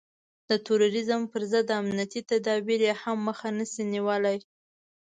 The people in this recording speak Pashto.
د تروريزم پر ضد امنيتي تدابير يې هم مخه نشي نيولای.